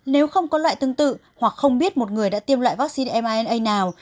nếu không có loại tương tự hoặc không biết một người đã tiêm loại vaccine m nào